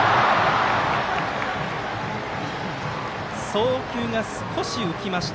送球が、少し浮きました。